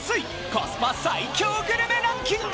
コスパ最強グルメランキング！